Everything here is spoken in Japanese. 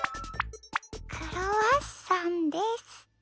クロワッサンです。